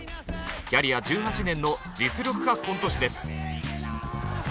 キャリア１８年の実力派コント師です。